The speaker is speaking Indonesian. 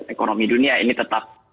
ekonomi dunia ini tetap